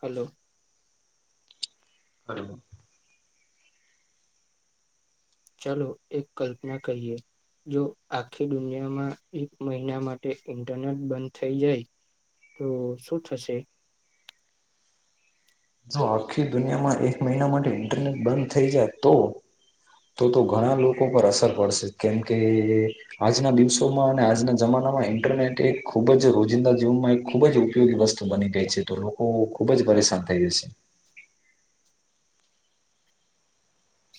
hello [inaudible] ચાલો એક કલ્પના કરીહીએ જો આખી દુનિયામાં એક મહિના માટે ઇન્ટરનેટ બંધ થઈ જાય તો શું થશે જો આખી દુનિયામાં એક મહિના માટે ઇન્ટરનેટ બંધ થઈ જાય તો તો તો ઘણા લોકો પર અસર પડશે કેમકે આજના દિવસોમાં અને આજના જમાનામાં ઇન્ટરનેટ એક ખૂબ જ રોજિંદા જીવનમાં એક ખૂબ જ ઉપયોગી વસ્તુ બની ગઈ છે તો લોકો ખૂબ જ પરેશાન થએ છે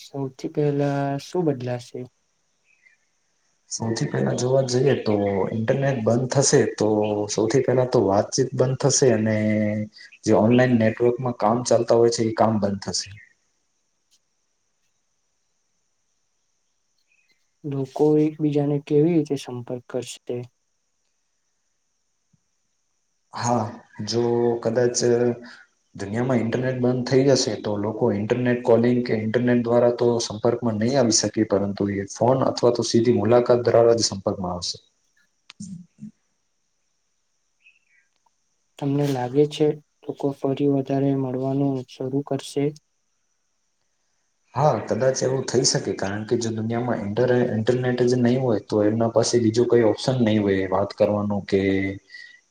સૌથી પહેલા શું બદલાશે સૌથી પહેલા જોવાત જઈએ તો ઈન્ટરનેટ બંધ થશે તો સૌથી પહેલા તો વાતચીત બંધ થશે અને જે ઓનલાઈન નેટવર્કમાં કામ ચાલતા હોય છે એ કામ બંધ થશે લોકો એકબીજાને કેવી રીતે સંપર્ક કરશે હા જો કદાચ દુનિયામાં ઇન્ટરનેટ બંધ થઈ જશે તો લોકો ઇન્ટરનેટ કોલિંગ કે ઇન્ટરનેટ દ્વારા તો સંપર્કમાં નહી આવી શકે પરંતુ એ ફોન અથવા તો સીધી મુલાકાત દરાવા જ સંપર્કમાં આવશે તમને લાગે છે લોકો ફરી વધારે મળવાનું શરૂ કરશે હા કદાચ એવું થઈ શકે કારણ કે જો દુનિયામાં ઇન્ટરનેટ જ નહીં હોય તો એમના પાસે બીજું કઈ ઓપ્શન નહીં હોય વાત કરવાનું કે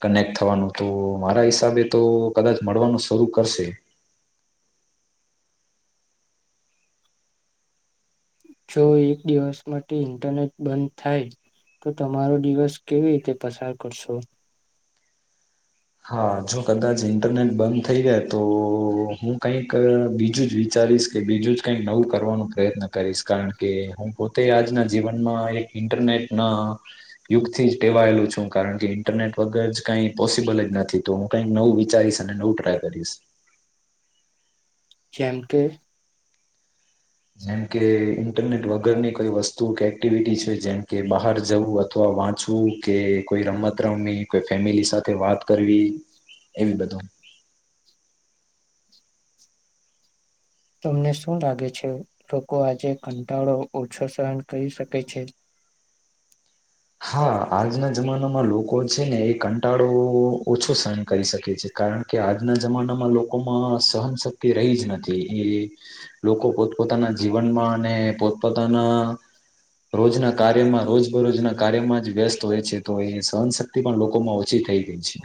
કનેક્ટ થવાનું તો મારા હિસાબે તો કદાચ મળવાનું શરૂ કરશે જો એક દિવસ માટે ઇન્ટરનેટ બંધ થાય તો તમારો દિવસ કેવી રીતે પસાર કરશો હા જો કદાચ ઇન્ટરનેટ બંધ થઈ જાય તો હું કઈક બીજું જ વિચારીશ કે બીજું જ કંઈક નવું કરવાનો પ્રયત્ન કરીશ કારણ કે હું પોતે આજના જીવનમાં એક ઇન્ટરનેટના યુગથી ટેવાયેલું છું કારણ કે ઇન્ટરનેટ વગર જ કઈ પોસિબલ જ નથી તો હું કઈક નવું વિચારીશ અને નવું ટ્રાય કરીશ કેમ કે જેમ કે ઇન્ટરનેટ વગરની કોઈ વસ્તુ કે એક્ટિવિટી છે જેમ કે બહાર જવું અથવા વાંચવું કે કોઈ રમત રમવી કોઈ ફેમિલી સાથે વાત કરવી એવી બધું તમને શું લાગે છે લોકો આજે કંટાળો ઓછો સહન કરી શકે છે હા આજના જમાનામાં લોકો છે ને એ કંટાળો ઓછો સહન કરી શકે છે કારણ કે આજના જમાનામાં લોકોમાં સહનશક્તિ રહી જ નથી એ લોકો પોતપોતાના જીવનમાં અને પોતપોતાના રોજના કાર્યમાં રોજબરોજના કાર્યમાં જ વ્યસ્ત હોય છે તો એ સહનશક્તિ પણ લોકોમાં ઓછી થઈ ગઈ છે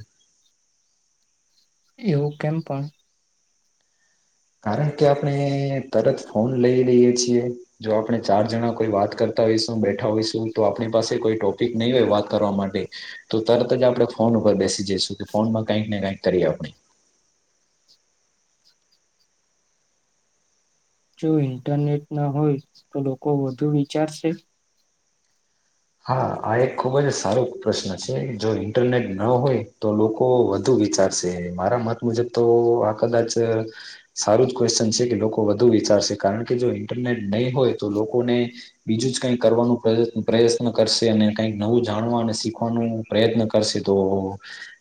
એવું કેમ પણ કારણ કે આપણે તરત ફોન લઈ રઈએ છીએ જો આપણે ચાર જણા કોઈ વાત કરતા હોઈશું બેઠા હોઈશું તો આપણી પાસે કોઈ ટોપિક નહી હોય વાત કરવા માટે તો તરત જ આપણે ફોન ઉપર બેસી જઈશું કે ફોનમાં કઈકને કંઈક કરીએ આપણે જો ઇન્ટરનેટ ના હોય તો લોકો વધુ વિચારશે હા આ એક ખૂબ જ સારો પ્રશ્ન છે જો ઇન્ટરનેટ ન હોય તો લોકો વધુ વિચારશે મારા મત મુજબ તો આ કદાચ સારું જ ક્વેશ્ચન છે કે લોકો વધુ વિચારશે કારણ કે જો ઇન્ટરનેટ નહી હોય તો લોકોને બીજું જ કઈ કરવાનું પ્રયત્ન કરશે અને કઈક નવું જાણવા અને શીખવાનું પ્રયત્ન કરશે તો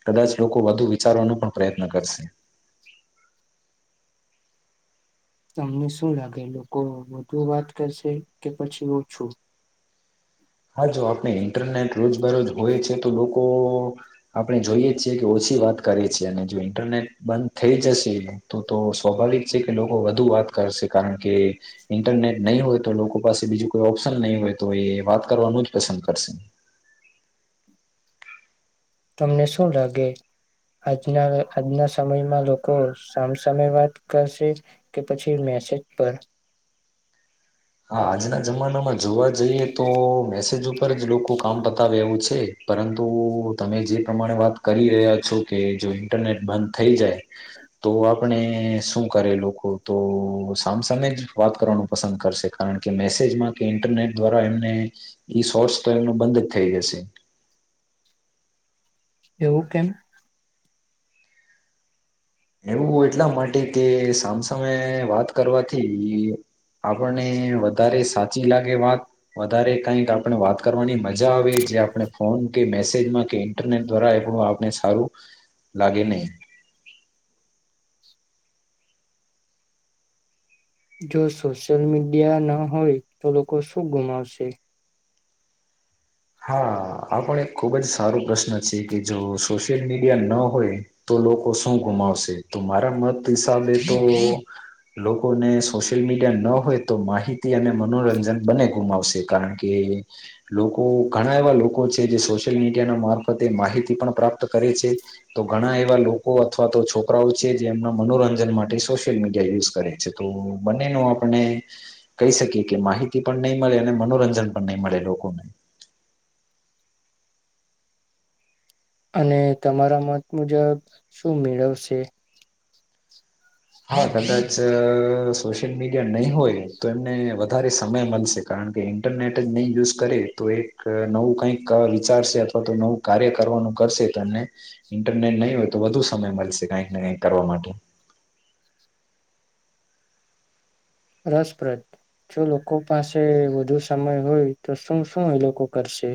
કદાચ લોકો વધુ વિચારવાનું પણ પ્રયત્ન કરશે તમને શું લાગે લોકો વધુ વાત કરશે કે પછી ઓછું હા જો આપણે ઇન્ટરનેટ રોજબરોજ હોય છે તો લોકો આપણે જોઈએ છીએ કે ઓછી વાત કરીે છેી અને જો ઇન્ટરનેટ બંધ થઈ જશે તો તો સ્વાભાવિક છે કે લોકો વધુ વાત કરશે કારણ કે ઇન્ટરનેટ નહીં હોય તો લોકો પાસે બીજું કોઈ ઓપ્શન નહીં હોય તો એ વાત કરવાનું જ પસંદ કરશે તમને શું લાગે આજના આજના સમયમાં લોકો સામસામે વાત કરશે કે પછી મેસેજ પર હા આજના જમાનામાં જોવા જઈએ તો મેસેજ ઉપર જ લોકો કામ પતાવે એવું છે પરંતુ તમે જે પ્રમાણે વાત કરી રહ્યા છો કે જો ઇન્ટરનેટ બંધ થઈ જાય તો આપણે શું કરે લોકો તો સામસામે જ વાત કરવાનું પસંદ કરશે કારણ કે મેસેજમાં કે ઈન્ટરનેટ દ્વારા એમને ઈ શોર્ટ સોલ ન બંધ જ થઈ જશે એવું કેમ એવું એટલા માટે કે સામસામે વાત કરવાથી આપણને વધારે સાચી લાગે વાત વધારે કઈક આપણે વાત કરવાની મજા જા આવે જે આપણે ફોન કે મેસે મેસેજમાં કે ઇન્ટરનેટ દ્વારા એણું આપને સારું લાગે નહીં જો સોશિયલ મીડિયા ન હોય તો લોકો શું ગુમાવશે હા આ પણ એક ખૂબ જ સારો પ્રશ્ન છે કે જો સોશિયલ મીડિયા ન હોય તો લોકો શું ગુમાવશે તો મારા મત હિસાબે તો લોકોને સોશિયલ મીડિયા ન હોય તો માહિતી અને મનોરંજન બને ગુમાવશે કારણ કે લોકો તો ઘણા એવા લોકો છે જે સોશિયલ મીડિયાના મારફતે માહિતી પણ પ્રાપ્ત કરે છે તો ઘણા એવા લોકો અથવા તો છોકરાઓ છે જે એમના મનોરંજન માટે સોશિયલ મીડિયા યુઝ કરે છે તો બંને ન આપને કહી શકીએ કે માહિતી પણ નહીં મળે અને મનોરંજન પણ નહીં મળે લોકોને અને તમારા મત મુજબ શું મેળવશે હા કદા સોશિયલ મીડિયા નહી હોય તો એમને વધારે સમય મળશે કારણ કે ઇન્ટરનેટ જ નહી યુઝ કરે તો એક નવું કઈક વિચારશે અથવા તો નવું કાર્ય કરવાનું કરશે તો એ ઇન્ટરનેટ નહીં હોય તો વધુ સમય મળશે કઈક ને કઈક કરવા માટે રસપ્રદ જો લોકો પાસે વધુ સમય હોય તો શું શું એ લોકો કરશે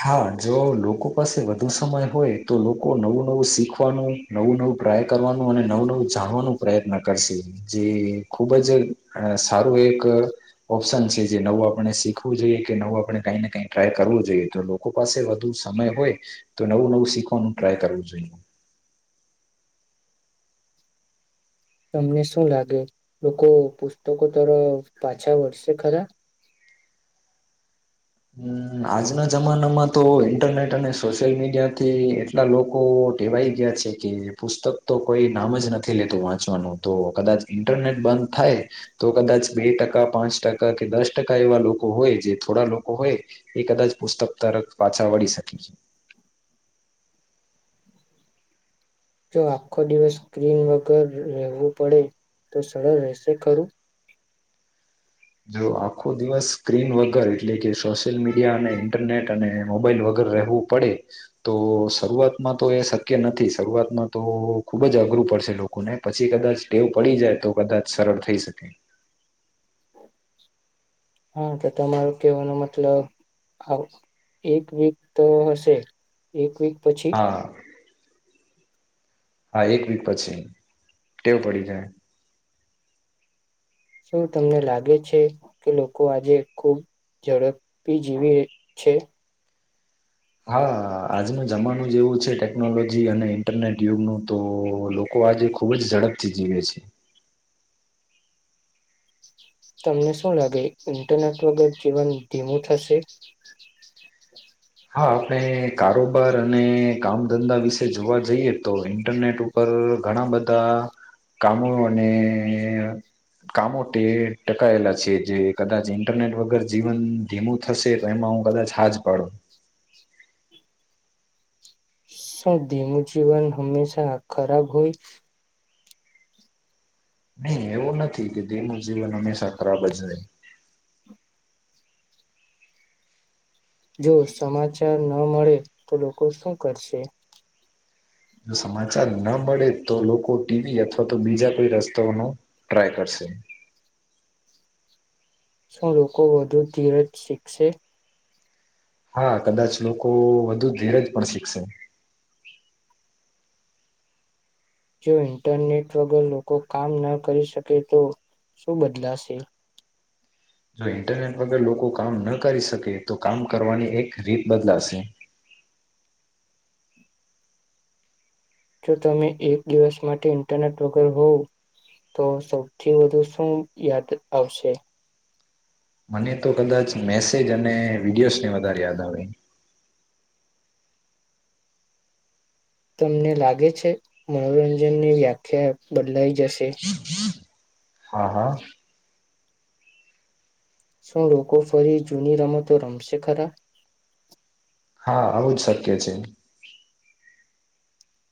હા જો લોકો પાસે વધુ સમય હોય તો લોકો નવું નવું શીખવાનું નવું નવું ટ્રાય કરવાનું અને નવું નવું જાણવાનું પ્રયત્ન કરશે જે ખુબ જ સારું એક ઓપ્શન છે જે નવું આપણે શીખવું જોઈએ કે નવું આપણે કંઈ ને કઈ ટ્રાય કરવું જોઈએ તો લોકો પાસે વધુ સમય હોય તો નવું નવું શીખવાનું ટ્રાય કરવું જોઈએ તમને શું લાગે લોકો પુસ્તકો તરફ પાછા વળસે ખરા હ આજના જમાનામાં તો ઈન્ટરનેટ અને સોશિયલ મીડિયા થી એટલા લોકો ટેવાય ગયા છે કે પુસ્તક તો કોઈ નામ જ નથી લેતું વાંચવાનું તો કદાચ ઈન્ટરનેટ બંધ થાય તો કદાચ બે ટકા પાંચ ટકા કે દસ ટકા એવા લોકો હોય જે થોડા લોકો કો હોય એ કદાચ પુસ્તક તરફ પાછા વળી શકે જો આખો દિવસ સ્ક્રીન વગર રહેવું પડે તો સરળ રહેશે ખરું જો આખો દિવસ સ્ક્રીન વગર એટલે કે સોશિયલ મીડિયા અને ઈન્ટરનેટ અને મોબાઈલ વગર રહેવું પડે તો શરૂઆતમાં તો એ શક્ય નથી શરૂઆતમાં તો ખુબ જ અઘરું પડશે લોકોને પછી કદાચ ટેવ પડી જાય તો કદાચ સરળ થઈ શકે હા તો તમારો કેવાનો મતલબ એક વીક તો હશે એક વીક પછી હા હા એક વીક પછી ટેવ પડી જાય શું તમને લાગે છે કે લોકો આજે ખૂબ ઝડપી જીવે છે હા આજનો જમાનો જ એવો છે ટેકનોલોજી અને ઇન્ટરનેટ યુગનું તો લોકો આજે ખુબ જ ઝડપથી જીવે છે તમને શું લાગે ઇન્ટરનેટ વગર જીવન ધીમું થશે હા આપણે કારોબાર અને કામ ધંધા વિશે જોવા જઈએ તો ઇન્ટરનેટ ઉપર ઘણા બધા કામો અને કામો તે ટકાયેલા છે જે કદાચ ઇન્ટરનેટ વગર જીવન ધીમું થશે તો એમાં હું કદાચ હાજ પાડું શું ધીમું જીવન હંમેશા ખરાબ હોય નહી એવું નથી કે ધીમું જીવન હમેશા ખરાબ જ રે જો સમાચાર ન મળે તો લોકો શું કરશે જો સમાચાર ના મળે તો લોકો ટીવી અથવા તો બીજા કોઈ રસ્તાઓનો ટ્રાય કરશે શું લોકો વધુ ધીરજ શીખશે હા કદાચ લોકો વધુ ધીરજ પણ શીખશે જો ઈન્ટરનેટ વગર લોકો કામ ન કરી શકે તો શું બદલાશે જો ઇન્ટરનેટ વગર લોકો કામ ન કરી શકે તો કામ કરવાની એક રીત બદલાશે જો તમે એક દિવસ માટે ઇન્ટરનેટ વગર હોવ તો સૌથી વધુ શું યાદ આવશે મને તો કદાચ મેસેજ અને વિડીયોસ ને વધારે યાદ આવે તમને લાગે છે મનોરંજન ની વ્યાખ્યા બદલાઈ જશે [unintelligible] હા હા શું લોકો ફરી જૂની રમતો રમશે ખરા હા આવું જ શક્ય છે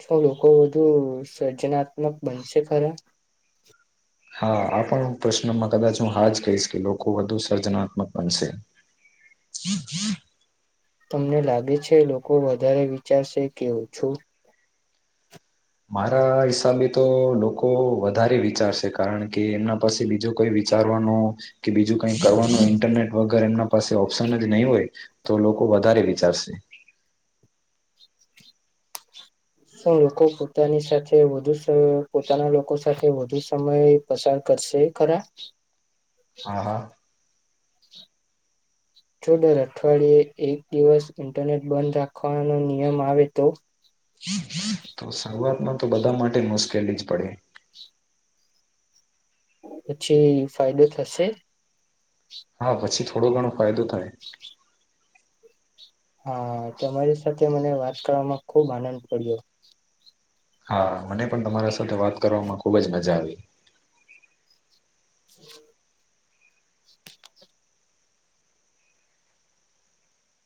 શું લોકો વધુ સર્જનાત્મક બનશે ખરા હા આ પણ હું પ્રશ્નમાં કદાચ હું હા જ કહીશ કે લોકો વધુ સર્જનાત્મક બનશે તમને લાગે છે લોકો વધારે વિચારશે કે ઓછું મારા હિસાબે તો લોકો વધારે વિચારશે કારણ કે એમના પાસે બીજો કોઈ વિચારવાનો કે બીજું કઈ કરવાનું ઇન્ટરનેટ વગર એમના પાસે ઓપ્શન જ નહીં હોય તો લોકો વધારે વિચારશે શું લોકો પોતાની સાથે વધુ સ પોતાના લોકો સાથે વધુ સમય પસાર કરશે ખરા હા હા જો દર અઠવાડિયે એક દિવસ ઈન્ટરનેટ બંધ રાખવાનો નિયમ આવે તો તો શરૂઆતમાં તો બધા માટે મુશ્કેલી જ પડે પછી ફાયદો થશે હા પછી થોડો ઘણો ફાયદો થાય હા તમારી સાથે મને વાત કરવામાં ખુબ આનંદ પડ્યો હા મને પણ તમારા સાથે વાત કરવામાં ખુબ જ મજા આવી [inaudible]